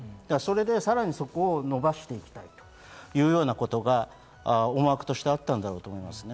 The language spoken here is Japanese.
それでそこを伸ばしていきたいというようなことが思惑として、あったんだろうと思いますね。